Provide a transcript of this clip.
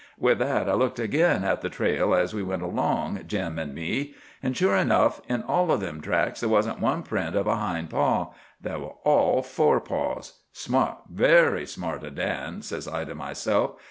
With that I looked agin at the trail, as we went along, Jim an' me. An' sure enough, in all them tracks there wasn't one print of a hind paw. They were all fore paws. Smart, very smart o' Dan, says I to myself.